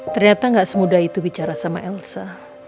ternyata gak semudah itu bicara sama elsa